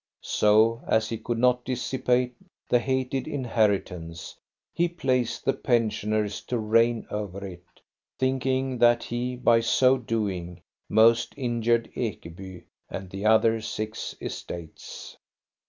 So, as he could not dissipate the hated inheritance, he placed the pensioners to reign over it, thinking that he, by so doing, most injured Ekeby and the other six estates.